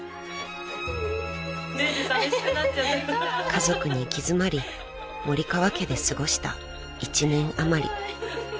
［家族に行き詰まり森川家で過ごした１年余り］